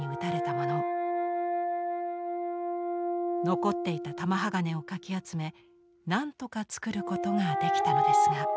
残っていた玉鋼をかき集めなんとかつくることができたのですが。